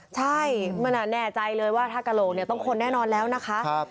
ใช่มันแน่ใจเลยว่าถ้ากระโหลกต้องคนแน่นอนแล้วนะคะ